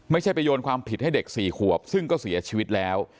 ไม่ใช่ไปโยนความผิดให้เด็ก๔ขวบซึ่งก็เสียชีวิตแล้ว